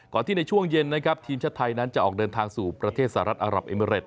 ที่ในช่วงเย็นนะครับทีมชาติไทยนั้นจะออกเดินทางสู่ประเทศสหรัฐอารับเอเมริต